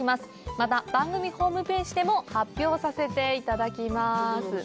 また番組ホームページでも発表させて頂きます